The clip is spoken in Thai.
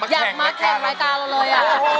อยากมาแข่งรายการเราเลย